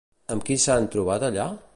Amb qui s'han trobat allà?